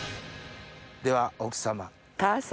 では奥様。